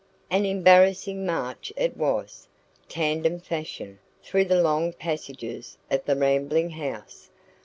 An embarrassing march it was, tandem fashion, through the long passages of the rambling house.